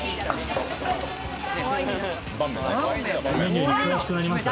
メニューに詳しくなりました？